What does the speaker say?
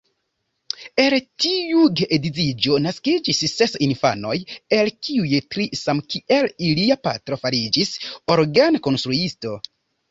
El tiu geedziĝo naskiĝis ses infanoj, el kiuj tri samkiel ilia patro fariĝis orgenkonstruisto.